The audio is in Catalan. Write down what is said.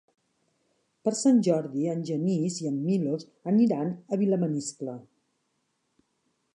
Per Sant Jordi en Genís i en Milos aniran a Vilamaniscle.